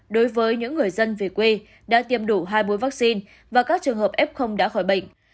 đối với những người dân về quê đã tiêm đủ hai bôi vaccine và các trường hợp f đã khỏi bệnh